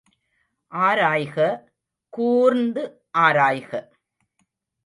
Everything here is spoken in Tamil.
ஆராய்க கூர்ந்து ஆராய்க!